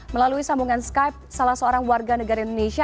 melalui sambungan skype salah seorang warga negara indonesia